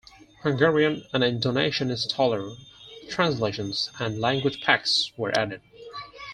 Hungarian and Indonesian installer translations and language packs were added.